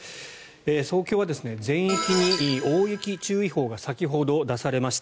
東京は全域に大雪注意報が先ほど出されました。